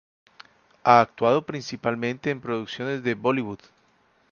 Ha actuado principalmente en producciones de Bollywood.